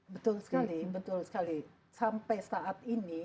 betul sekali sampai saat ini